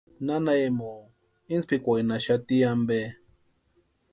Nana Emoo intspikwarhinhaxati ampe.